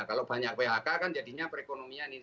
kalau banyak phk kan jadinya perekonomian